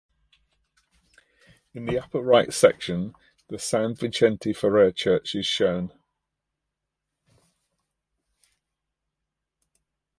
In the upper right section the San Vicente Ferrer church is shown.